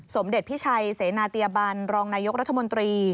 สมเด็จพิชัยเสนาตัยบันรองนายกรัฐมนตรี